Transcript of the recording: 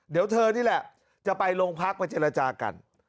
เดี๋ยวเธอนี่แหละจะไปโรงพักไปเจรจากัน